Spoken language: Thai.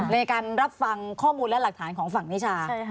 ในการรับฟังข้อมูลและหลักฐานของฝั่งนิชา